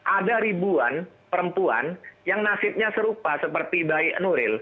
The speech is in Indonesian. ada ribuan perempuan yang nasibnya serupa seperti baik nuril